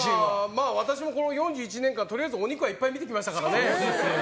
私もこの４１年間とりあえずお肉はいっぱい見てきましたからね。